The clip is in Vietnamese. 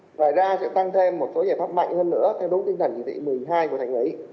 ngoài ra sẽ tăng thêm một số giải pháp mạnh hơn nữa theo đúng tinh thần chỉ thị một mươi hai của thành ủy